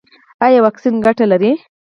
ایا واکسین ګټه لري؟